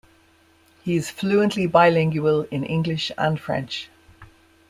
He is fluently bilingual in English and French.